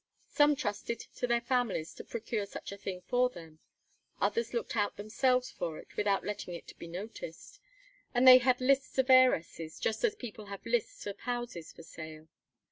Some trusted to their families to procure such a thing for them; others looked out themselves for it without letting it be noticed; and they had lists of heiresses just as people have lists of houses for sale.